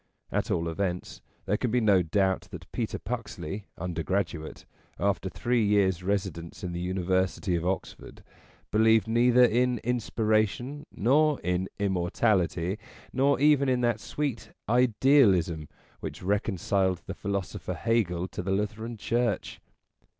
At all events, there can be no doubt that Peter Puxley, undergraduate, after three years' residence in the University of Oxford, believed neither in Inspiration nor in Immortality, nor even in that sweet Idealism which reconciled the philosopher Hegel to the Lutheran Church.